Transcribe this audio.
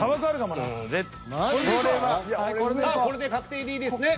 さあこれで確定でいいですね。